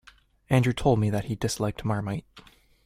Andrew told me that he disliked Marmite.